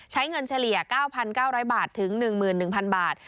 ใช้เงินเฉลี่ย๙๙๐๐บาทถึง๑๑๐๐๐บาท